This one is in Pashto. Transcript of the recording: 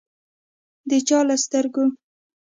د چا له سترګو